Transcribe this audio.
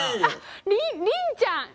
りんりんちゃん。